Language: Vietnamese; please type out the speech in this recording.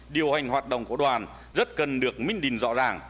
điều hành hoạt động của đoàn rất cần được minh định rõ ràng